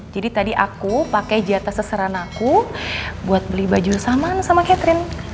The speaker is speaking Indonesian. jadi tadi aku pake jatah seseran aku buat beli baju saman sama catherine